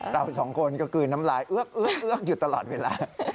เราสองคนก็กลืนน้ำลายเอื้อกอยู่ตลอดเวลา